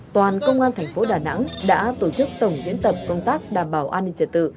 toàn công an thành phố đà nẵng đã tổ chức tổng diễn tập công tác đảm bảo an ninh trật tự